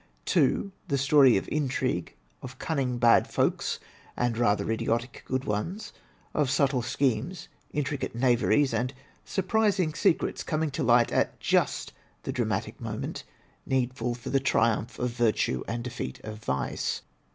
"2, The story of intrigue, of cimning bad folks and rather idiotic good ones, of subtle schemes, intricate knaveries, and surprising secrets coming to light at just the dramatic mo ment needful for the triiunph of virtue and defeat of vice.